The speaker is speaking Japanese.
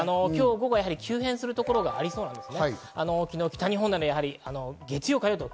午後は急変するところがありそうです。